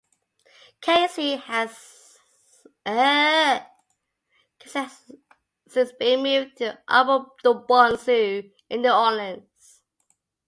Casey has since been moved to the Audubon Zoo in New Orleans.